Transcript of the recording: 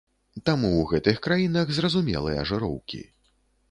Таму ў гэтых краінах зразумелыя жыроўкі.